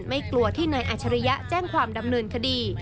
กลัวที่นายอัชริยะแจ้งความดำเนินคดี